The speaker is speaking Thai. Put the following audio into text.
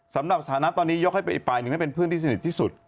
สำหรับสถานะตอนนี้ยกให้ไปอีกฝ่ายหนึ่งนั่นเป็นเพื่อนที่สนิทที่สุด